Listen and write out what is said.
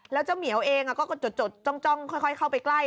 แล้วเจ้าเหมียวเองก็จดจ้องค่อยเข้าไปใกล้